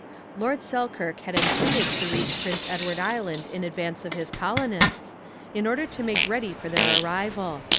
Lord Selkirk had intended to reach Prince Edward Island in advance of his colonists, in order to make ready for their arrival.